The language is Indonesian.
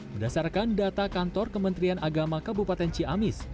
berdasarkan data kantor kementerian agama kabupaten ciamis